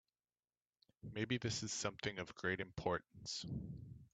Maybe this is something of great importance.